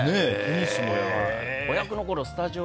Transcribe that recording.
子役のころ